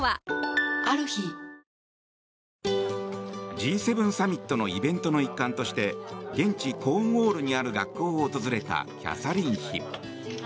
Ｇ７サミットのイベントの一環として現地コーンウォールにある学校を訪れたキャサリン妃。